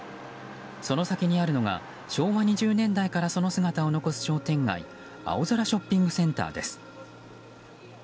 その先にあるのが昭和２０年代からその姿を残す商店街青空ショッピングセンターです。